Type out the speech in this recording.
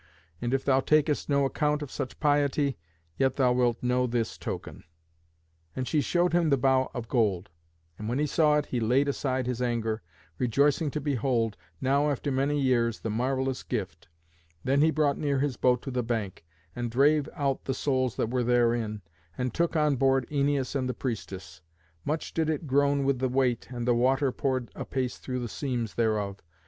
And if thou takest no account of such piety, yet thou wilt know this token." And she showed him the bough of gold. And when he saw it he laid aside his anger, rejoicing to behold, now after many years, the marvellous gift. Then he brought near his boat to the bank, and drave out the souls that were therein, and took on board Æneas and the priestess. Much did it groan with the weight, and the water poured apace through the seams thereof.